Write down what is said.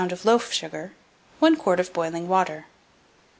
of loaf sugar, 1 quart of boiling water.